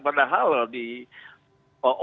padahal di ojp